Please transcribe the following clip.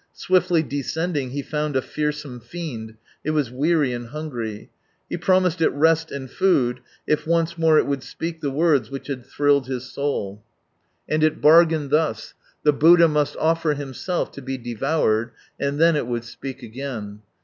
Swiftly descending he found a fearsome fiend, it was weary and hungry. He 'promised it rest and food, if once more it would speak the words which had thrilled his soul. And it bargained thus — the Buddha must ofler himself to be devoured, and then it would speak again.